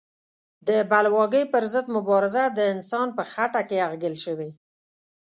د بلواکۍ پر ضد مبارزه د انسان په خټه کې اغږل شوې.